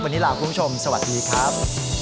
วันนี้ลาคุณผู้ชมสวัสดีครับ